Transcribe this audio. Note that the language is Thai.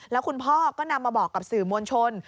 แล้วคุณพ่อก็นำมาบอกกับสื่อมวลชน